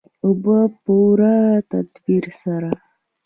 او په پوره تدبیر سره.